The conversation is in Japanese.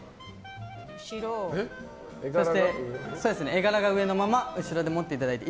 絵柄が上のまま後ろで持っていただいて。